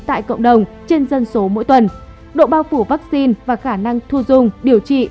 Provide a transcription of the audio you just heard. tại cộng đồng trên dân số mỗi tuần độ bao phủ vaccine và khả năng thu dung điều trị